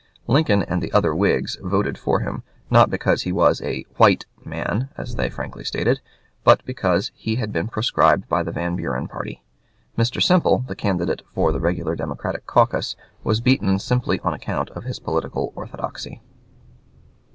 Lincoln and the other Whigs voted for him, not because he was a "White" man, as they frankly stated, but because "he had been proscribed by the Van Buren party." Mr. Semple, the candidate for the regular Democratic caucus, was beaten simply on account of his political orthodoxy.